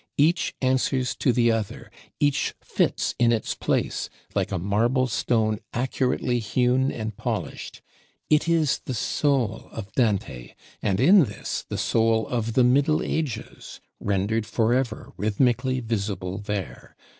Each answers to the other; each fits in its place, like a marble stone accurately hewn and polished. It is the soul of Dante, and in this the soul of the Middle Ages, rendered forever rhythmically visible there.